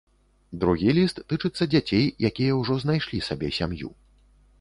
Другі ліст тычыцца дзяцей, якія ўжо знайшлі сабе сям'ю.